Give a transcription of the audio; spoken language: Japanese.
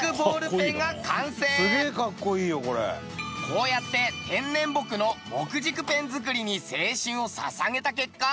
こうやって天然木の木軸ペン作りに青春を捧げた結果。